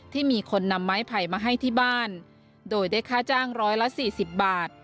ที่มีคนนำไม้ไผ่มาให้ที่บ้านโดยได้ค่าจ้างร้อยละสี่สิบบาท